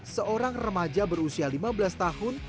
seorang remaja berusia lima belas tahun